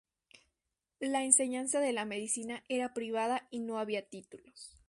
La enseñanza de la medicina era privada y no había títulos.